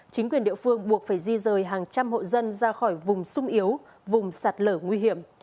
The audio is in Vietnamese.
chính quyền địa phương buộc phải di rời hàng trăm hộ dân ra khỏi vùng sung yếu vùng sạt lở nguy hiểm